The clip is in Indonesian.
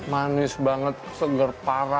manis banget seger parah